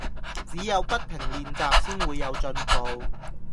只有不停練習先會有進步